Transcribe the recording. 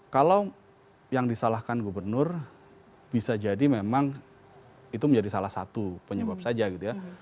kalau yang disalahkan gubernur bisa jadi memang itu menjadi salah satu penyebab saja gitu ya